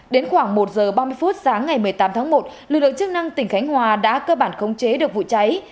đến khoảng một giờ ba mươi phút sáng ngày một mươi tám tháng một lực lượng chức năng tỉnh khánh hòa đã cơ bản khống chế được vụ cháy